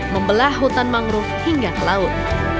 membelah hutan mangrove hingga ke laut